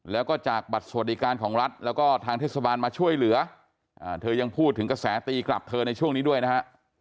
แล้วก็จากบัตรสวัสดิการของรัฐแล้วก็ทางเทศบาลมาช่วยเหลือเธอยังพูดถึงกระแสตีกลับเธอในช่วงนี้ด้วยนะฮะ